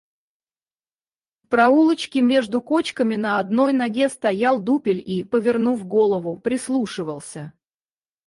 В проулочке между кочками на одной ноге стоял дупель и, повернув голову, прислушивался.